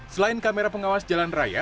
selain kamera pengawas jalan raya